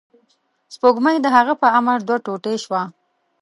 سپوږمۍ د هغه په امر دوه ټوټې شوه.